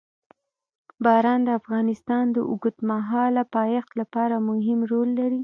باران د افغانستان د اوږدمهاله پایښت لپاره مهم رول لري.